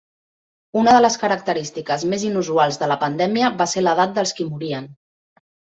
Una de les característiques més inusuals de la pandèmia va ser l'edat dels qui morien.